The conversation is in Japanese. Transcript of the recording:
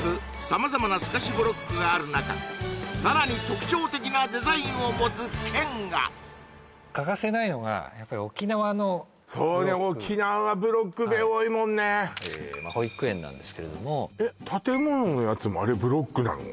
様々な透かしブロックがある中さらに特徴的なデザインを持つ県が欠かせないのがやっぱり沖縄のブロックそうねはい保育園なんですけれどもえっ建物のやつもあれブロックなの？